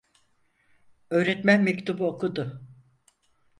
Öğretmen mektubu okudu.